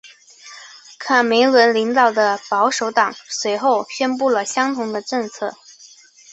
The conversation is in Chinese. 卡梅伦领导的保守党随后宣布了相同的政策。